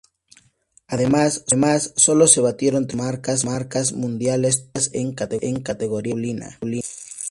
Además solo se batieron tres plusmarcas mundiales, todas ellas en categoría masculina.